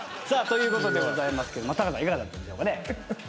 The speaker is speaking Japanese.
ということでございますけども貴さんいかがだったでしょうかね？